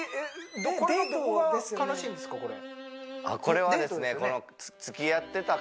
あっこれはですね